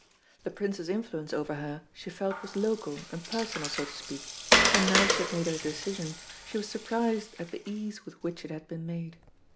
The Prince's influence over her she felt was local and personal, so to speak, and now she had made her decision, she was surprised at the ease with which it had been made.